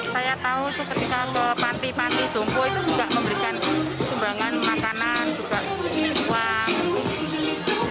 saya tahu seketika ke panti panti jompo itu juga memberikan sumbangan makanan juga uang